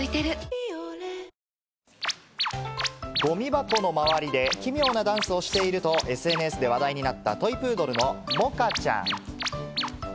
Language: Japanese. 「ビオレ」ゴミ箱の周りで奇妙なダンスをしているとＳＮＳで話題になったトイプードルのモカちゃん。